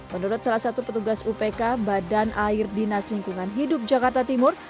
menurut salah satu petugas upk badan air dinas lingkungan hidup jakarta timur